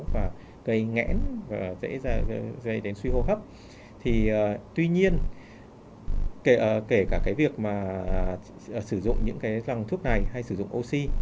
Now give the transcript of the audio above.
và gây ngẽn và dễ gây đến suy hô hấp thì tuy nhiên kể cả cái việc mà sử dụng những cái dòng thuốc này hay sử dụng oxy